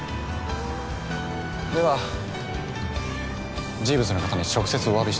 ではジーヴズの方に直接おわびしてきます。